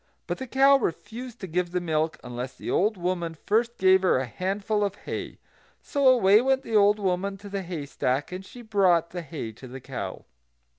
But the cow refused to give the milk unless the old woman first gave her a handful of hay. So away went the old woman to the haystack; and she brought the hay to the cow.